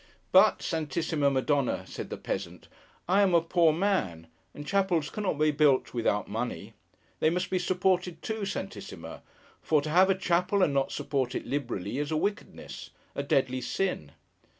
'But, Santissima Madonna,' said the peasant, 'I am a poor man; and chapels cannot be built without money. They must be supported, too, Santissima; for to have a chapel and not support it liberally, is a wickedness—a deadly sin.